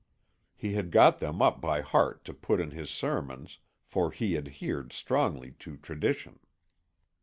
He had got them up by heart to put in his sermons, for he adhered strongly to tradition.